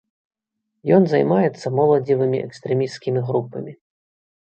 Ён займаецца моладзевымі экстрэмісцкімі групамі.